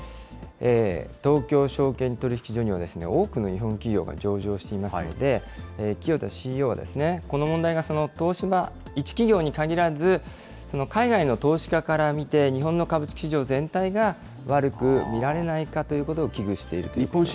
東京証券取引所には、多くの日本企業が上場していますので、清田ＣＥＯは、この問題が東芝一企業に限らず、海外の投資家から見て日本の株式市場全体が悪く見られないかということを危惧しているということですね。